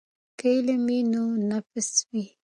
که علم وي نو نفس وي.